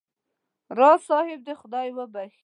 راز صاحب دې خدای وبخښي.